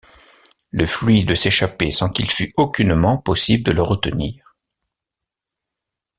Le fluide s’échappait sans qu’il fût aucunement possible de le retenir.